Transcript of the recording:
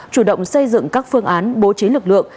chủ động xây dựng các phương án bố trí lực lượng